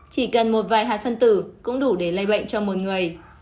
chỉ cần một vài hạt phân tử cũng đủ để lây bệnh cho một người